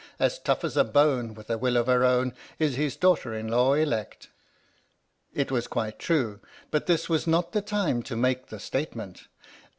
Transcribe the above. As tough as a bone With a will of her own Is his daughter in law elect ! It was quite true, but this was not the time to make the statement.